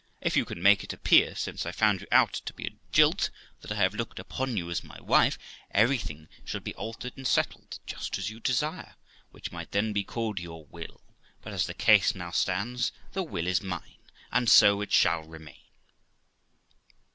If you can make it appear since I found you out to be a jilt that I have looked upon you as my wife, everything shall be altered and settled just as you desire, which might then be called your willj but, as the case now stands, the will is mine, and so it shall remain.'